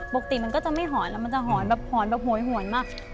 ปกติมันก็จะไม่หอนแล้วมันจะหอนแบบหอนแบบโหยหวนมาก